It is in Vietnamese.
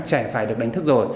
trẻ phải được đánh thức rồi